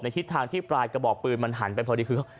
ทิศทางที่ปลายกระบอกปืนมันหันไปพอดีคือ